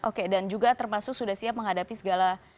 oke dan juga termasuk sudah siap menghadapi segala